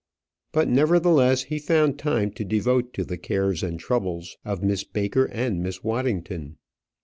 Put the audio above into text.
But, nevertheless, he found time to devote to the cares and troubles of Miss Baker and Miss Waddington.